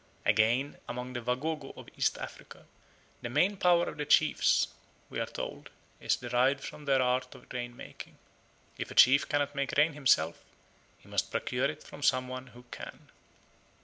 Again, among the Wagogo of East Africa the main power of the chiefs, we are told, is derived from their art of rain making. If a chief cannot make rain himself, he must procure it from some one who can.